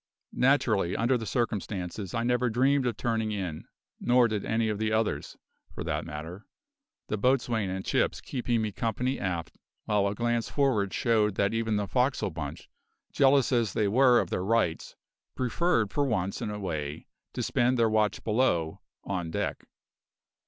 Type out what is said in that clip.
Naturally, under the circumstances I never dreamed of turning in; nor did any of the others, for that matter, the boatswain and Chips keeping me company aft, while a glance for'ard showed that even the forecastle bunch, jealous as they were of their "rights", preferred for once in a way to spend their watch below on deck.